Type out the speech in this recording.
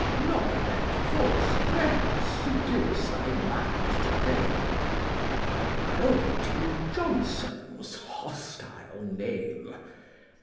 301 Nor let false friends seduce thy mind to fame, 171 By arrogating Jonson's hostile name.